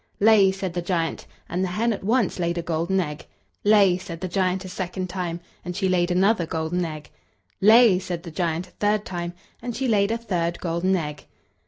"Lay!" said the giant; and the hen at once laid a golden egg. "Lay!" said the giant a second time; and she laid another golden egg. "Lay!" said the giant a third time; and she laid a third golden egg.